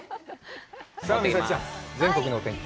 さあ、美咲ちゃん、全国のお天気。